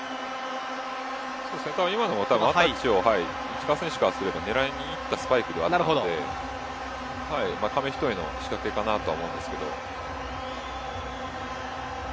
今のもたぶんワンタッチを石川選手からすると狙いにいったスパイクではあったので紙一重の仕掛けかなとは思うんですけど。